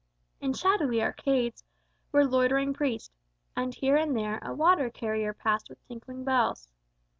In shadowy arcades Were loitering priests, and here and there A water carrier passed with tinkling bells.